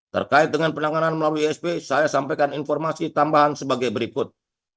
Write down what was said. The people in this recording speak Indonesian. terkait dengan penanganan melalui isp saya sampaikan informasi tambahan sebagai berikut